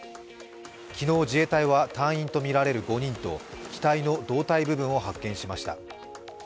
昨日、自衛隊は隊員とみられる５人と機体の胴体部分を発見しました。